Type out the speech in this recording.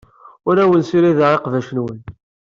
Ur awen-ssirideɣ iqbac-nwen.